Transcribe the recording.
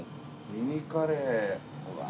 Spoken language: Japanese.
ミニカレー。